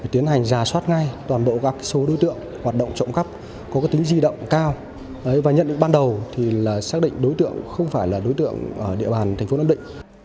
cảnh giả soát ngay toàn bộ các số đối tượng hoạt động trộm cắp có tính di động cao và nhận định ban đầu là xác định đối tượng không phải là đối tượng ở địa bàn tp nam định